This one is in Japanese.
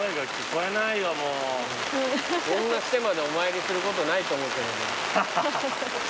こんなしてまでお参りすることないと思うけどな。